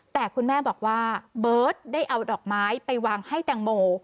แต่คุณแม่บอกว่าเบิร์ตได้เอาดอกไม้ไปวางให้แตงโม